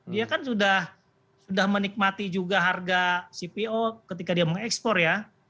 dia kan sudah menikmati juga harga cpo ketika dia mengekspor ya